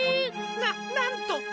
ななんと！